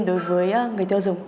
đối với người tiêu dùng